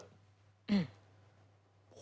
คู่